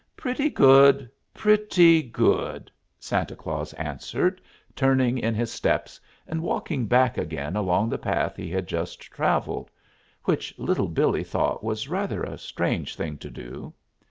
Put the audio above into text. "Pretty good pretty good," Santa Claus answered, turning in his steps and walking back again along the path he had just traveled which Little Billee thought was rather a strange thing to do.